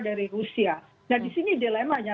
dari rusia nah disini dilemanya